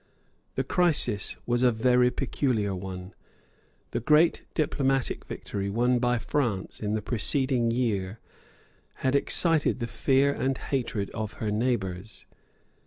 The crisis was a very peculiar one. The great diplomatic victory won by France in the preceding year had excited the fear and hatred of her neighbours.